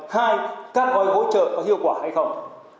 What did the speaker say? hai các gói hỗ trợ có hiệu quả hay không